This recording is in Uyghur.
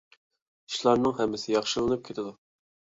ئىشلارنىڭ ھەممىسى ياخشىلىنىپ كېتىدۇ.